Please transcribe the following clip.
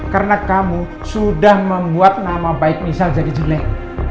karena kamu sudah membuat nama baik nisal jadi jelek